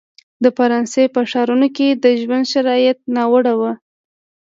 د فرانسې په ښارونو کې د ژوند شرایط ناوړه وو.